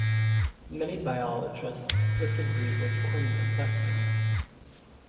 Many biologists disagree with Quinn's assessment.